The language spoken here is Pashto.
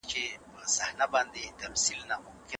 ولې خلک په ټولنه کې اختلاف لري؟